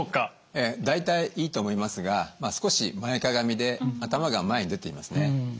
ええ大体いいと思いますが少し前かがみで頭が前に出ていますね。